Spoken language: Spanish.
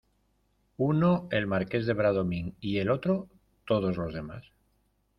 uno, el Marqués de Bradomín , y el otro todos los demás.